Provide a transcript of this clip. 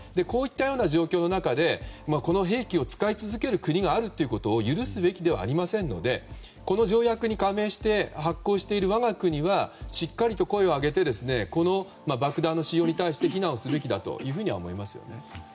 こういったような状況の中でこの兵器を使い続ける国があることを許すべきではありませんのでこの条約に加盟して発効している我が国はしっかりと声を上げてこの爆弾使用に対して非難をすべきだと思います。